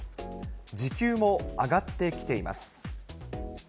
時給も上がってきています。